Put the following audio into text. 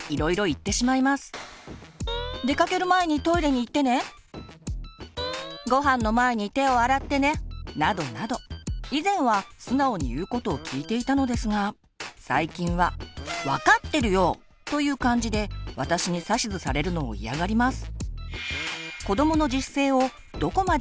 続いては４月から以前は素直に言うことを聞いていたのですが最近は「わかってるよ！」という感じで私に指図されるのを嫌がります。